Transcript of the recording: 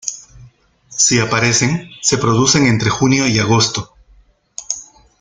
Si aparecen, se producen entre junio y agosto.